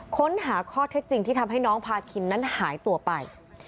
ค้นหาข้อเท็จจริงที่ทำให้น้องพาคินนั้นหายตัวไป